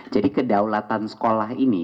jadi kedaulatan sekolah ini